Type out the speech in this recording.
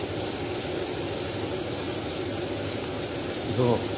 急ごう。